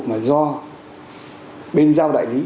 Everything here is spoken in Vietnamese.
mà do bên giao đại lý